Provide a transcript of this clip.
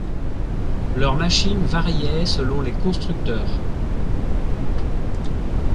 Leurs machines variaient selon les constructeurs.